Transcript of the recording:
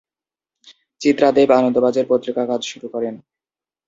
চিত্রা দেব আনন্দবাজার পত্রিকা কাজ শুরু করেন।